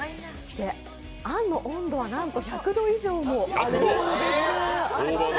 あんの温度はなんと１００度以上もあるんです。